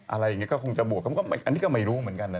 อะไรอย่างนี้ก็คงจะบวกอันนี้ก็ไม่รู้เหมือนกันนะ